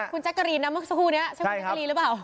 คุณแจ๊กกะรีนนะเมื่อสักครู่นี้ใช่คุณจักรีนหรือเปล่า